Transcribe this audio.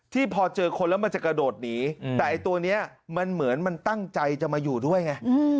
พอเจอคนแล้วมันจะกระโดดหนีแต่ไอ้ตัวนี้มันเหมือนมันตั้งใจจะมาอยู่ด้วยไง